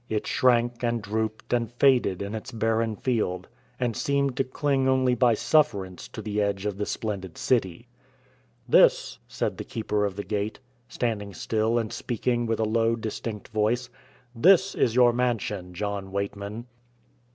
It shrank and drooped and faded in its barren field, and seemed to cling only by sufferance to the edge of the splendid city. "This," said the Keeper of the Gate, standing still and speaking with a low, distinct voice "this is your mansion, John Weightman."